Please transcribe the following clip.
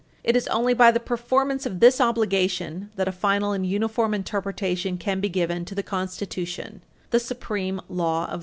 It is only by the performance of this obligation that a final and uniform interpretation can be given to the Constitution, the "supreme Law of the Land."